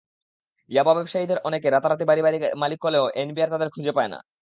ইয়াবা ব্যবসায়ীদের অনেকে রাতারাতি বাড়ি-গাড়ির মালিক হলেও এনবিআর তাঁদের খুঁজে পায় না।